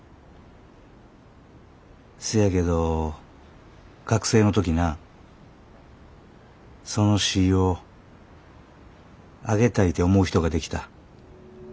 せやけど学生の時なその詩ぃをあげたいて思う人ができた。